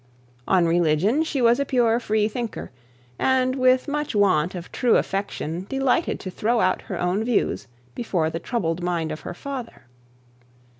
On religion she was a pure freethinker, and with much want of true affection, delighted to throw out her own views before the troubled mind of her father.